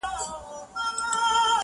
چاته يې لمنه كي څـه رانــه وړل~